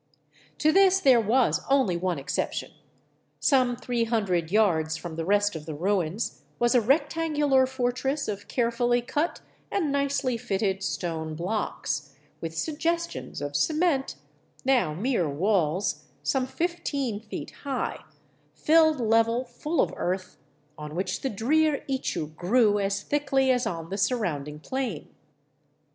1 |To this there was only one exception. Some three hundred yards t [from the rest of the ruios was a rectangular fortress of carefully cut ' i 307 VAGABONDING DOWN THE ANDES and nicely fitted stone blocks, with suggestions of cement, now mere walls, some fifteen feet high, filled level full of earth on which the drear ichu grew as thickly as on the surrounding plain.